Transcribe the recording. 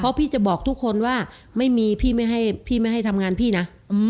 เพราะพี่จะบอกทุกคนว่าไม่มีพี่ไม่ให้พี่ไม่ให้ทำงานพี่นะ